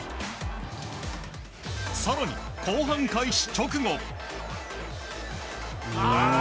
更に、後半開始直後。